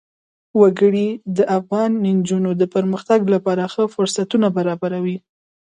وګړي د افغان نجونو د پرمختګ لپاره ښه فرصتونه برابروي.